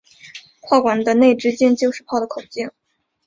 炮管的内直径就是炮的口径。